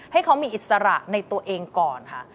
ให้เขามีอิสระในตัวเองก่อนค่ะ